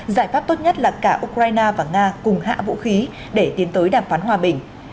giải pháp tốt nhất là cả ukraine và nga cùng hạ vũ khí để tiến tới đàm phán hòa bình